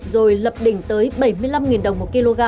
rồi lập đỉnh tới bảy mươi năm đồng một kg